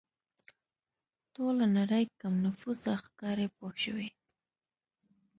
ټوله نړۍ کم نفوسه ښکاري پوه شوې!.